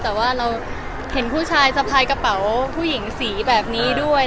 แต่ว่าเราเห็นผู้ชายสะพายกระเป๋าผู้หญิงสีแบบนี้ด้วย